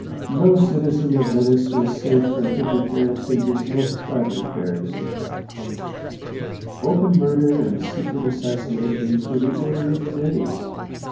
No citizen of Venice was safe from interference in his most private affairs ; open murder and secret assassination were the order of the day.